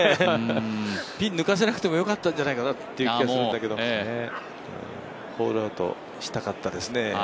ピン抜かせなくてもよかったなって気がするんだけどホールアウトしたかったですね。